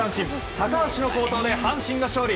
高橋の好投で阪神が勝利。